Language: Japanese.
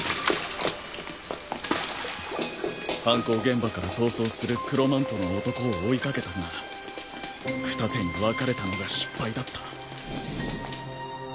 犯行現場から逃走する黒マントの男を追い掛けたが二手に分かれたのが失敗だった。